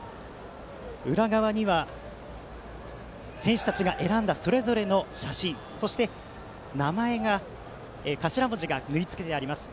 裏側には、選手たちが選んだそれぞれの写真そして、名前の頭文字が縫い付けてあります。